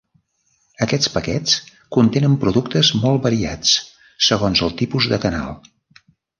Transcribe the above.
Aquests paquets contenen productes molt variats segons el tipus de canal.